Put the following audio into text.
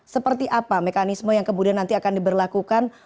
seperti apa mekanisme yang kemudian nanti akan diberlakukan